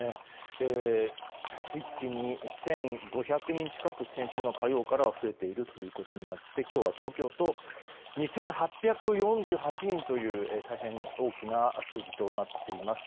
一気に１５００人近く先週火曜から増えているということになって今日は東京都、２８４８人という大変大きな数字となっています。